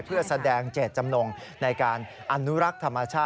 เพื่อแสดงเจตจำนงในการอนุรักษ์ธรรมชาติ